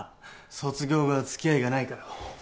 卒業後は付き合いがないから。